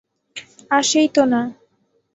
আসেই তো না।